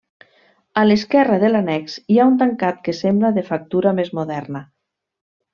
A l'esquerra de l'annex hi ha un tancat que sembla de factura més moderna.